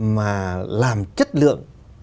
mà làm chất lượng